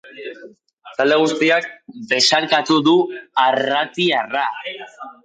Talde guztiak besarkatu du arratiarra.